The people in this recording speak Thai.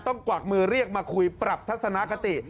กวักมือเรียกมาคุยปรับทัศนคติ